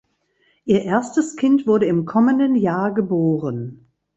Ihr erstes Kind wurde im kommenden Jahr geboren.